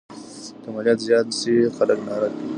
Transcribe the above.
که مالیات زیات سي خلګ ناړه کیږي.